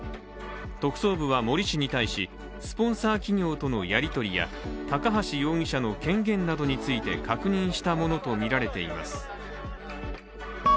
特捜部は森氏に対し、スポンサー企業とのやり取りや高橋容疑者の権限などについて確認したものとみられています。